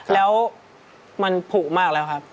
แล้วมันผูกมากแล้วครับ